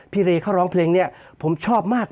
พี่เรย์เขาร้องเพลงนี่ผมชอบมาก